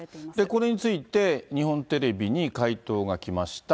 これについて、日本テレビに回答が来ました。